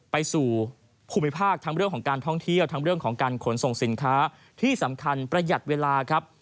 ไปสู่ภูมิภาคทั้งเรื่องของการท่องเที่ยวทั้งเรื่องของการขนส่งสินค้าที่สำคัญประหยัดเวลาครับ